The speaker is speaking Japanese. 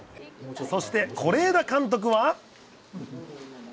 そして是枝監督は。